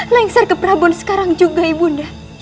lengsar ke prabun sekarang juga ibunda